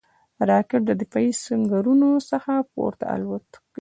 راکټ د دفاعي سنګرونو څخه پورته الوت کوي